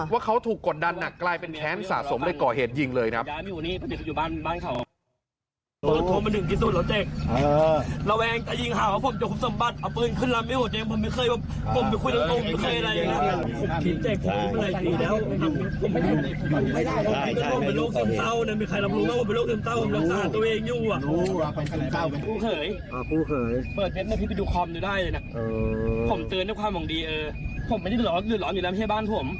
ว่าเขาถูกกดดันเป็นแค้นสะสมได้ก่อเหตุยิงเลยนะครับ